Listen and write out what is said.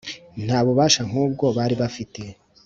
Nta bubasha nk’ubwo bari bafite